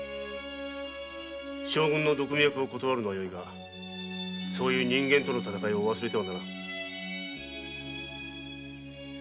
将軍の毒味役を断るのはよいがそういう人間との戦いを忘れてはならぬ。